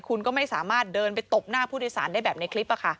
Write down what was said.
คุณก็ไม่สามารถเดินไปตบหน้าผู้โดยสารได้แบบในคลิป